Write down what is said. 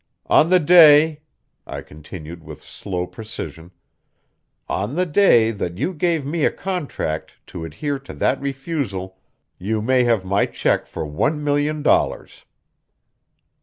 On the day," I continued with slow precision "on the day that you give me a contract to adhere to that refusal you may have my check for one million dollars."